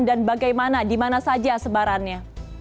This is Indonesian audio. bagaimana di mana saja sebarannya